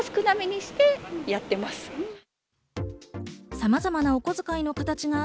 さまざまなお小遣いの形があ